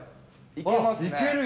いけますね。